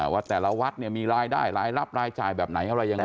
ว่าแต่ละวัดเนี่ยมีรายได้รายรับรายจ่ายแบบไหนอะไรยังไง